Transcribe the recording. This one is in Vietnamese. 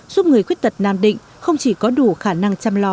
giúp người khuyết tật nam định không chỉ có đủ khả năng chăm lo